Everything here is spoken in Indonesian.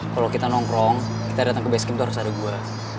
kalau kita nongkrong kita datang ke base camp tuh harus ada gue